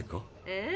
え？